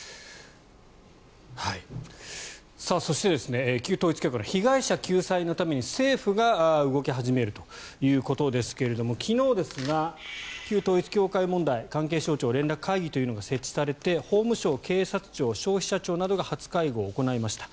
そして旧統一教会の被害者救済のために政府が動き始めるということですけれど昨日ですが「旧統一教会」問題関係省庁連絡会議というのが設置されて法務省、警察庁消費者庁などが初会合を行いました。